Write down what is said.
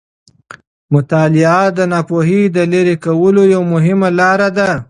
مطالعه د ناپوهي د لیرې کولو یوه مهمه لاره ده.